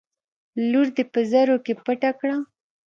لور دې په زرو کې پټه کړه.